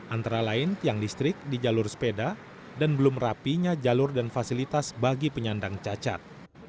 antara lain tiang listrik di jalur sepeda dan belum rapinya jalur dan fasilitas bagi penyandang cacat